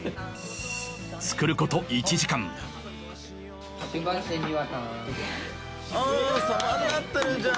・作ること１時間おぉ様になってるじゃん！